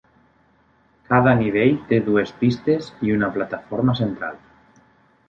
Cada nivell té dues pistes i una plataforma central.